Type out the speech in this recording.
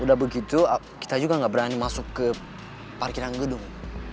udah begitu kita juga nggak berani masuk ke parkiran gedung